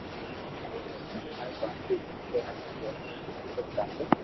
ھين ھر ڀاتي موٽو ھي جي ۾ تين صرف ٽاٻر